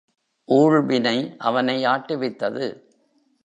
ஊழ்வினை அவனை ஆட்டுவித்தது.